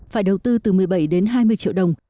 phải đầu tư từ một mươi bảy đến hai mươi triệu đồng